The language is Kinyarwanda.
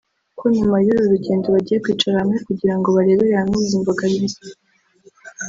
ko nyuma y’uru rugendo bagiye kwicara hamwe kugira ngo barebere hamwe izi mbogamizi